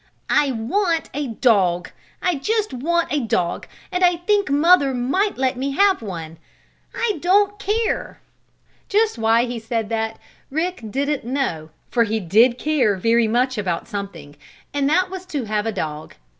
"I want a dog! I just want a dog, and I think mother might let me have one! I don't care!" Just why he said that Rick didn't know, for he did care very much about something and that was to have a dog.